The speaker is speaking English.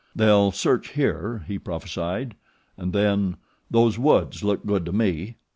"They'll search here," he prophesied, and then; "Those woods look good to me."